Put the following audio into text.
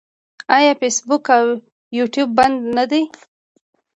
آیا فیسبوک او یوټیوب بند نه دي؟